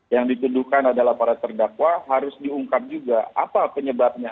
yang dituduhkan adalah para terdakwa harus diungkap juga apa penyebabnya